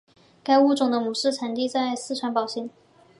该物种的模式产地在四川宝兴。